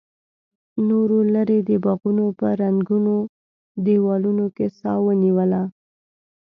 نورو ليرې د باغونو په ړنګو دېوالونو کې سا ونيوله.